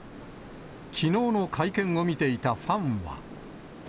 きのうの会見を見ていたファンは。